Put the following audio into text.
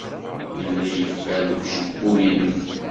Yella yifer deg ucebbub-nnem.